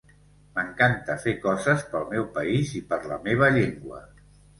M'encanta fer coses pel meu país i per la meva llengua.